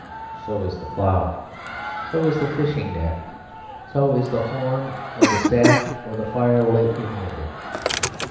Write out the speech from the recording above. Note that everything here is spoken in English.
So is the plough. So is the fishing net. So is the horn or the staff or the fire lit in winter.